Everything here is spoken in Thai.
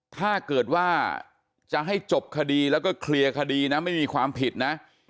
ถ้าเกิดว่าจะให้จบคดีแล้วก็เคลียร์คดีนะไม่มีความผิดนะ